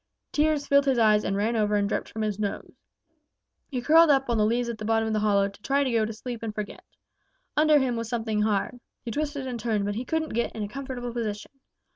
Tears filled his eyes and ran over and dripped from his nose. He curled up on the leaves at the bottom of the hollow to try to go to sleep and forget. Under him was something hard. He twisted and turned, but he couldn't get in a comfortable position.